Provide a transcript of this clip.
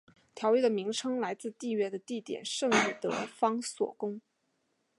条约的名称来自缔约的地点圣伊德方索宫。